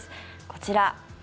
こちら。